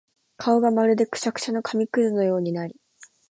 顔がまるでくしゃくしゃの紙屑のようになり、